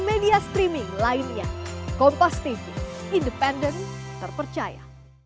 media streaming lainnya kompas tv independen terpercaya